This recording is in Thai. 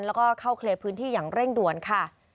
แล้วก็เข้าเคลียร์พื้นที่อย่างเร่งด่วนค่ะ